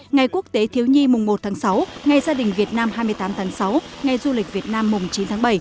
ngày quốc tế thiếu nhi mùng một tháng sáu ngày gia đình việt nam hai mươi tám tháng sáu ngày du lịch việt nam mùng chín tháng bảy